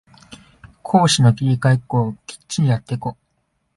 攻守の切り替えをきっちりやってこ